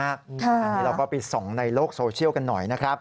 อันนี้เราก็ไปส่องในโลกโซเชียลกันหน่อยนะครับ